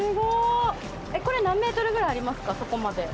これ、何メートルぐらいありますか底まで。